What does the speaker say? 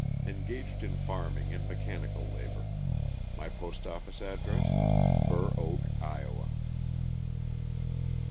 Engaged in farming and mechanical labor; my post office address, Burr Oak, Iowa.